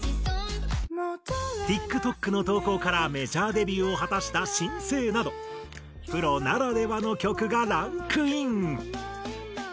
ＴｉｋＴｏｋの投稿からメジャーデビューを果たした新星などプロならではの曲がランクイン。